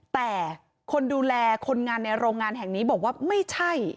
แต่คนดูแลคนงานในโรงงานแห่งนี้บอกว่าไม่ใช่